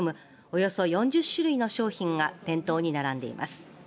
およそ４０種類の商品が店頭に並んでいます。